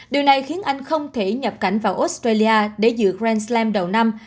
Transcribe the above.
điều này khiến anh không thể nhập cảnh vào australia để giữ grand slam đầu năm